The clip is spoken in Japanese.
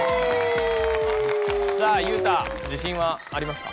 さあ裕太じしんはありますか？